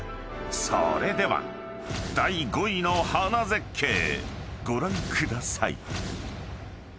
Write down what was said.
［それでは第５位の花絶景ご覧ください］